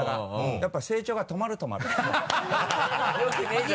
やっぱ成長が止まる止まる。